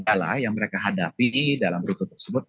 tidak ada kendala yang mereka hadapi dalam rute tersebut